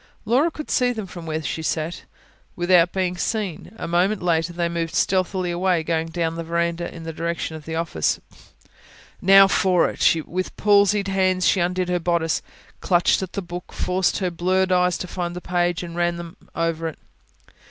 Laura could see them from where she sat, without being seen. A moment later they moved stealthily away, going down the verandah in the direction of the office. Now for it! With palsied hands she undid her bodice, clutched at the book, forced her blurred eyes to find the page, and ran them over it.